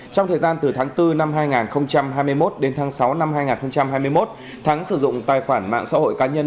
trong thời gian từ tháng bốn năm hai nghìn hai mươi một đến tháng sáu năm hai nghìn hai mươi một thắng sử dụng tài khoản mạng xã hội cá nhân